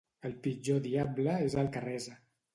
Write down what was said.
El pitjor diable és el que resa.